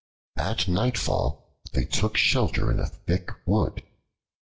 At nightfall they took shelter in a thick wood.